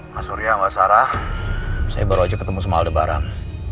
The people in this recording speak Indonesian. mas surya mbak sarah saya baru aja ketemu sama aldebaran